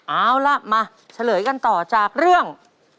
เอาล่ะมาเฉลยกันต่อจากเรื่อง